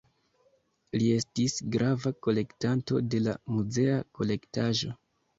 Li estis grava kolektanto de la muzea kolektaĵo.